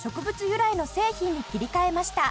由来の製品に切り替えました